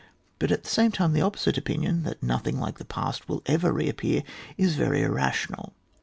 But at the same time the opposite opinion, that nothing like the past will ever reappear, is very irrational.